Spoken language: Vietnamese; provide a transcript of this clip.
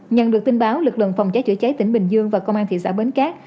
nhận được tin báo lực lượng phòng cháy chữa cháy tỉnh bình dương và công an thị xã bến cát